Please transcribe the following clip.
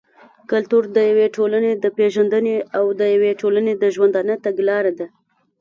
کلتور د يوې ټولني د پېژندني او د يوې ټولني د ژوندانه تګلاره ده.